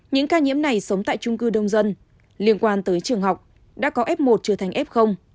những ca nhiễm này sống tại trung cư đông dân liên quan tới trường học đã có f một trở thành f